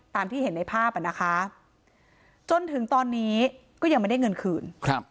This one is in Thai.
ที่เห็นในภาพอ่ะนะคะจนถึงตอนนี้ก็ยังไม่ได้เงินคืน